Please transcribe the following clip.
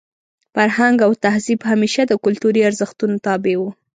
فرهنګ او تهذیب همېشه د کلتوري ارزښتونو تابع وو.